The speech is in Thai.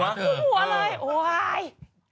คุมหัวเลยโอ้ว้าย